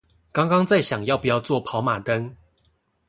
剛剛在想要不要做跑馬燈